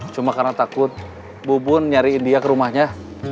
cuma karena takut bu bun nyariin dia ke rumahnya